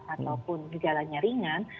ataupun gejalanya ringan